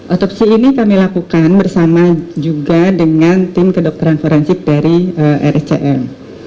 otopsi ini kami lakukan bersama juga dengan tim kedokteran forensik dari rscm